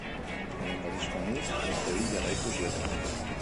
Lehenengo disko honi beste bi jarraitu zioten.